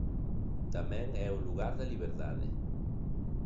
Tamén é o lugar da liberdade.